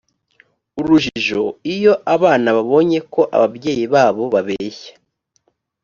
urujijo iyo abana babonye ko ababyeyi babo babeshya